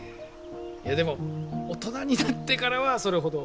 でも大人になってからはそれほど。